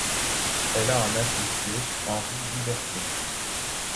Elle a un associé, Henri Guiberteau.